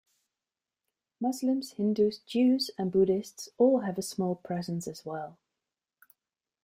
Muslims, Hindus, Jews, and Buddhists all have a small presence as well.